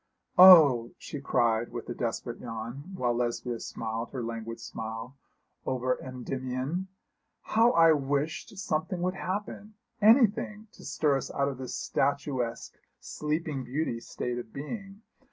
'Oh,' she cried with a desperate yawn, while Lesbia smiled her languid smile over Endymion, 'how I wished something would happen anything to stir us out of this statuesque, sleeping beauty state of being.